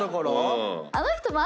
あの人も。